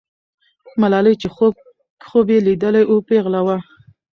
ملالۍ چې خوب یې لیدلی وو، پیغله وه.